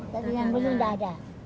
tapi yang dulu tidak ada